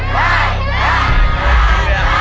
ใส่ใส่